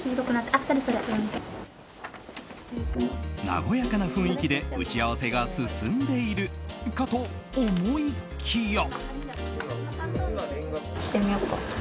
和やかな雰囲気で打ち合わせが進んでいるかと思いきや。